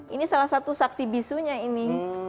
ini salah satu saksi bisunya ini